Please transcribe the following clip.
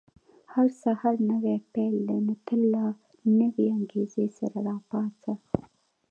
• هر سهار نوی پیل دی، نو تل له نوې انګېزې سره راپاڅه.